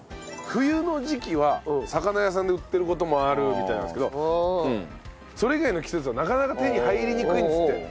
冬の時期は魚屋さんで売ってる事もあるみたいなんですけどそれ以外の季節はなかなか手に入りにくいんですって。